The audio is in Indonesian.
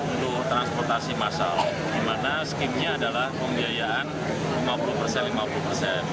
untuk transportasi masal di mana skimnya adalah pembiayaan lima puluh persen lima puluh persen